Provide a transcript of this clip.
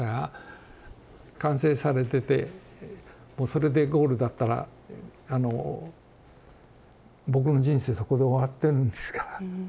完成されててそれでゴールだったら僕の人生そこで終わってるんですから。